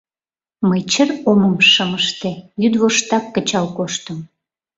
— Мый чыр омым шым ыште, йӱдвоштак кычал коштым.